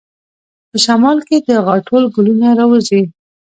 په شمال کې د غاټول ګلونه راوځي.